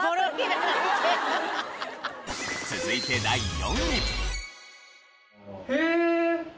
続いて第４位。